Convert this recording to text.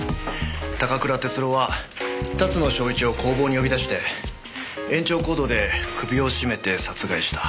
高倉徹郎は龍野祥一を工房に呼び出して延長コードで首を絞めて殺害した。